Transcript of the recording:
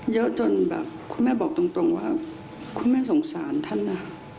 เยอะจนแบบคุณแม่บอกตรงว่าคุณแม่สงสารท่านนะ